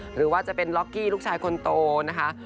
หรือว่าจะเป็นล็อกกี้ลูกชายคนโตนะคะ